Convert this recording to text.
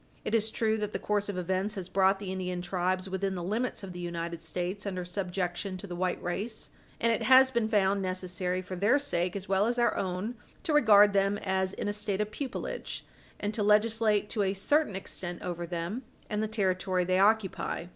It is true that the course of events has brought the Indian tribes within the limits of the United States under subjection to the white race, and it has been found necessary, for their sake as well as our own, to regard them as in a state of pupilage, and to legislate to a certain extent over them and the territory they occupy.